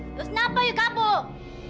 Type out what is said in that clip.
lalu kenapa kamu kabur